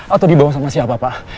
atau dibawa sama siapa